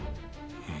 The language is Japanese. うん。